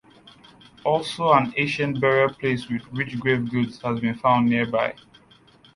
Also an ancient burial place with rich grave goods had been found nearby.